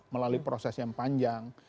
melalui proses yang panjang